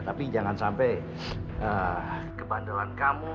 tapi jangan sampai kebanderolan kamu